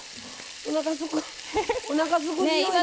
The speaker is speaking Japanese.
おなかすくおなかすく匂い。